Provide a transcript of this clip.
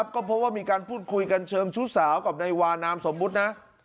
ก็พบว่ามีการพูดคุยกันเชิงชู้สาวกับนายวานามสมมุตินะ